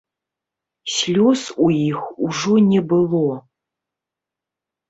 Слёз у іх ужо не было.